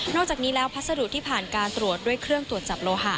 อกจากนี้แล้วพัสดุที่ผ่านการตรวจด้วยเครื่องตรวจจับโลหะ